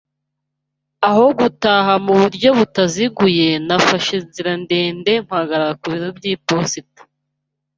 Aho gutaha mu buryo butaziguye, nafashe inzira ndende mpagarara ku biro by'iposita.